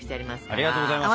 ありがとうございます！